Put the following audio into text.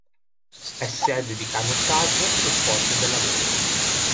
È sede di canottaggio e sport della vela.